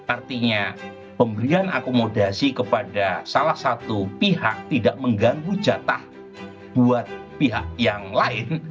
artinya pemberian akomodasi kepada salah satu pihak tidak mengganggu jatah buat pihak yang lain